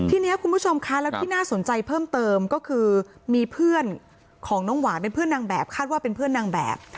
ทีนี้คุณผู้ชมคะแล้วที่น่าสนใจเพิ่มเติมก็คือมีเพื่อนของน้องหวานเป็นเพื่อนนางแบบคาดว่าเป็นเพื่อนนางแบบ